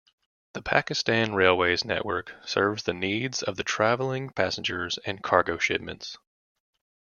The Pakistan Railways network serves the needs of the traveling passengers and cargo shipments.